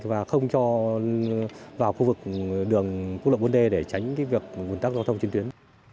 và không cho vào khu vực đường quốc lộ bốn d để tránh việc ủn tắc giao thông trên tuyến